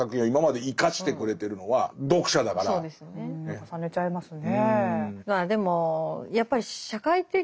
重ねちゃいますね。